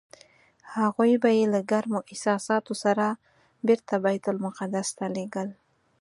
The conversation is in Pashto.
هغوی به یې له ګرمو احساساتو سره بېرته بیت المقدس ته لېږل.